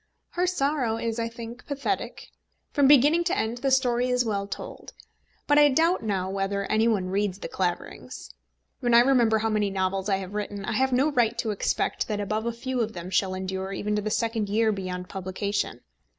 Her sorrow is, I think, pathetic. From beginning to end the story is well told. But I doubt now whether any one reads The Claverings. When I remember how many novels I have written, I have no right to expect that above a few of them shall endure even to the second year beyond publication.